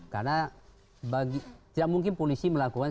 karena tidak mungkin polisi melakukan